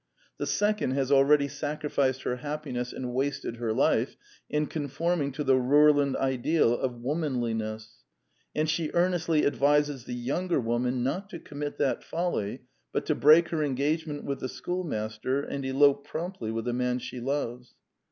The second has already sacrificed her happiness and wasted her life in conforming to the Rorlund ideal of womanliness; and she earnestly advises the younger woman not to commit that folly, but to break her engagement with the schoolmaster, and elope promptly with the man she loves.